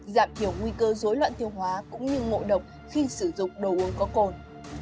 giảm thiểu nguy cơ rối loạn tiêu hóa cũng như ngộ độc khi sử dụng đồ uống có cồn